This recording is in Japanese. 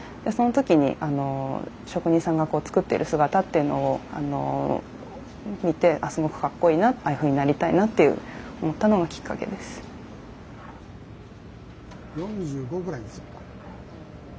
その時に職人さんが作っている姿っていうのを見てすごくかっこいいなああいうふうになりたいなって思ったのがきっかけです。